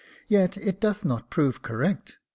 " Yet it doth not prove correct.